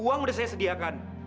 uang udah saya sediakan